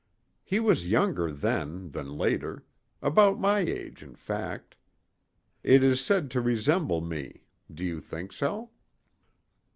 He was younger then than later—about my age, in fact. It is said to resemble me; do you think so?"